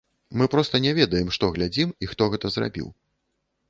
Мы проста не ведаем, што глядзім, і хто гэта зрабіў.